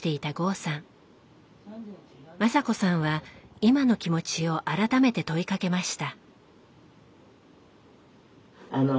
雅子さんは今の気持ちを改めて問いかけました。